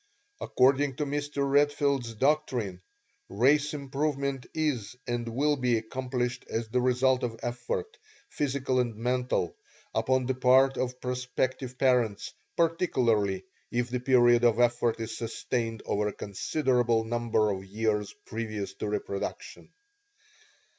According to Mr. Redfield's doctrine, race improvement is and will be accomplished as the result of effort, physical and mental, upon the part of prospective parents, particularly if the period of effort is sustained over a considerable number of years previous to reproduction.